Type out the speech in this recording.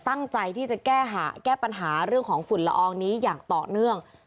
ตั้งใจที่จะแก้ปัญหาเรื่องของฝุ่นละอองนี้อย่างต่อเนื่อง